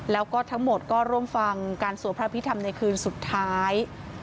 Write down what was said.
แล้วก็ทั้งหมดก็ร่วมฟังการสวดพระพิธรรมในคืนสุดท้าย